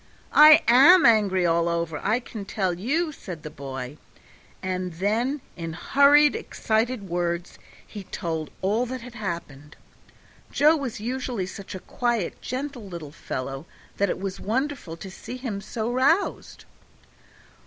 "I am angry all over, I can tell you," said the boy, and then in hurried, excited words he told all that had happened. Joe was usually such a quiet, gentle little fellow that it was wonderful to see him so roused.